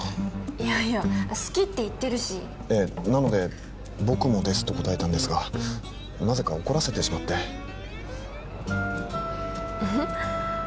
いやいや「好き」って言ってるしええなので「僕もです」と答えたんですがなぜか怒らせてしまってうん？